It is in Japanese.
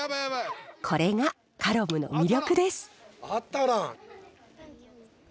これがカロムの魅力です。